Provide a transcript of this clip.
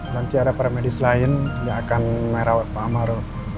nanti ada para medis lain yang akan merawat pak amar